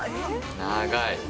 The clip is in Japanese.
長い。